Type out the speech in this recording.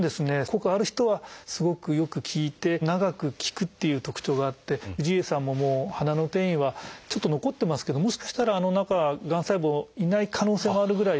効果がある人はすごくよく効いて長く効くっていう特徴があって氏家さんももう鼻の転移はちょっと残ってますけどもしかしたらあの中はがん細胞いない可能性もあるぐらいよく効いてます。